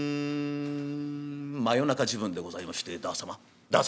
真夜中時分でございまして「旦様旦様」。